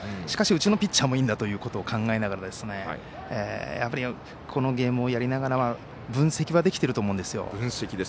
しかしうちのピッチャーもいいんだということを考えるとやはりこのゲームをやりながら分析はできていると思うんですよ。